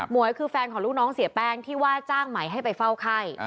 วยคือแฟนของลูกน้องเสียแป้งที่ว่าจ้างใหม่ให้ไปเฝ้าไข้